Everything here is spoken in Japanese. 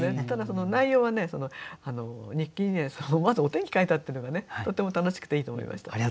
ただその内容はね日記に思わずお天気描いたっていうのがねとても楽しくていいと思いました。